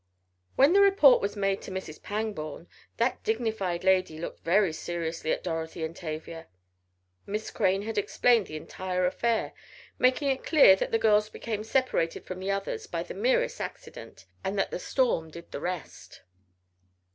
When the report was made to Mrs. Pangborn, that dignified lady looked very seriously at Dorothy and Tavia. Miss Crane had explained the entire affair, making it clear that the girls became separated from the others by the merest accident, and that the storm did the rest.